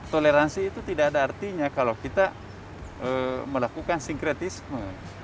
toleransi itu tidak ada artinya kalau kita melakukan sinkretisme